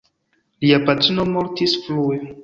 Lia patrino mortis frue.